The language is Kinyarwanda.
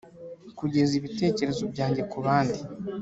kugeza ibitekerezo byange ku bandi